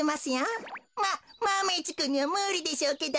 まっマメ１くんにはむりでしょうけど。